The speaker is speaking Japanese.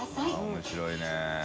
面白いね。